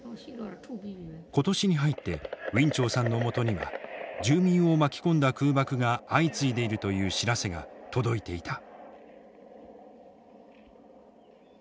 今年に入ってウィン・チョウさんのもとには住民を巻き込んだ空爆が相次いでいるという知らせが届いていた。